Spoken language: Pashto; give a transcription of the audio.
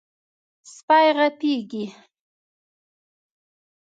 سپي غپېږي.